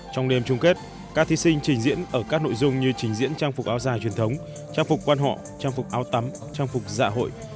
trong đêm chung kết các thí sinh trình diễn ở các nội dung như trình diễn trang phục áo dài truyền thống trang phục quan họ trang phục áo tắm trang phục dạ hội